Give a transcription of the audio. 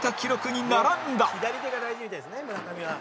「左手が大事みたいですね村上は」